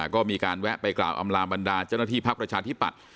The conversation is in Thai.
ก็มีการแวะไปกล่าวอำลาบรรดาเจ้าหน้าที่พักประชาธิปัตย